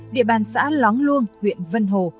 địa bàn xã lóng luông huyện vân hồ